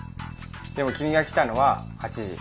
でも君が来たのは８時。